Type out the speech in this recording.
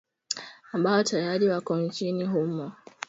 ambao tayari wako nchini humo